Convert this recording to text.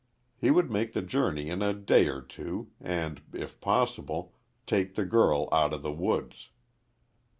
He would make the journey in a day or two, and, if possible, take the girl out of the woods.